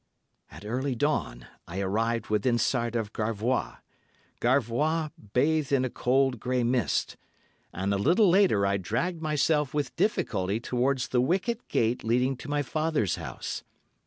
"At early dawn I arrived within sight of Garvois—Garvois bathed in a cold grey mist, and a little later I dragged myself with difficulty towards the wicket gate leading to my father's house.